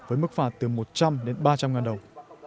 với mức phạt từ một trăm linh đến ba trăm linh ngàn đồng